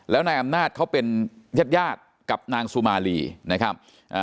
แล้วนายอำนาจเขาเป็นญาติญาติกับนางสุมารีนะครับ